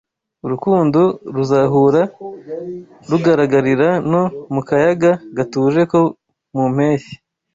Urukundo ruzahura rugaragarira no mu kayaga gatuje ko mu mpeshyi,